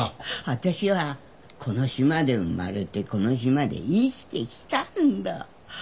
わたしはこの島で生まれてこの島で生きてきたんだ。